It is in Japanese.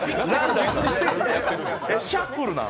シャッフルなん？